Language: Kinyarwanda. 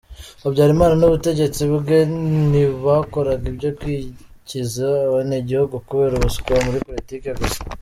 Habyarimana n’ubutegetsi bwe, ntibakoraga ibyo kwikiza abenegihugu kubera ubuswa muri politiki gusa.